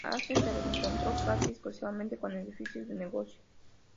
La Altstadt se reconstruyó casi exclusivamente con edificios de negocios.